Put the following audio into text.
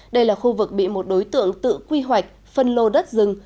đây là khu vực bị một đối tượng tự quy hoạch phân lô đất rừng